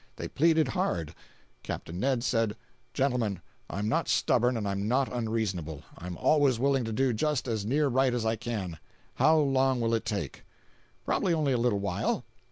They pleaded hard. Capt. Ned said: "Gentlemen, I'm not stubborn and I'm not unreasonable. I'm always willing to do just as near right as I can. How long will it take?" "Probably only a little while."